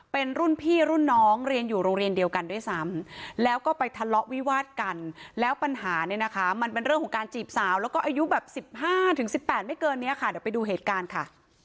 เป็นรุ่นพี่รุ่นน้องเรียนอยู่โรงเรียนเดียวกันด้วยซ้ำแล้วก็ไปทะเลาะวิวาดกันแล้วปัญหาเนี่ยนะคะมันเป็นเรื่องของการจีบสาวแล้วก็อายุแบบ๑๕๑๘ไม่เกินนี้ค่ะเดี๋ยวไปดูเหตุการณ์ค่ะ